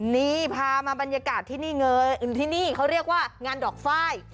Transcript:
นี่พามาบรรยากาศที่นี่เค้าเรียกว่างานดอกไฟล์